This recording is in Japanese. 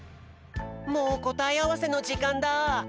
もうこたえあわせのじかんだ。